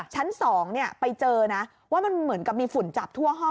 ชั้น๒ไปเจอนะว่ามันเหมือนกับมีฝุ่นจับทั่วห้อง